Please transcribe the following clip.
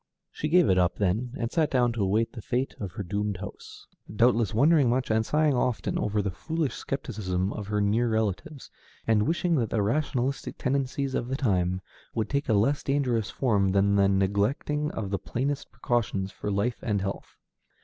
She gave it up then, and sat down to await the fate of her doomed house, doubtless wondering much and sighing often over the foolish skepticism of her near relatives, and wishing that the rationalistic tendencies of the time would take a less dangerous form than the neglecting of the plainest precautions for life and health.